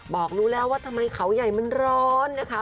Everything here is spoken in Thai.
บอกรู้แล้วว่าทำไมเขาใหญ่มันร้อนนะคะ